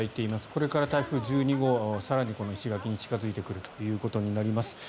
これから台風１２号は更にこの石垣島に近付いてくることになります。